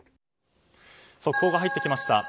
速報が入ってきました。